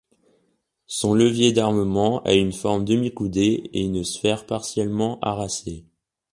Son levier d'armement a une forme demi-coudée et une sphère partiellement arasée.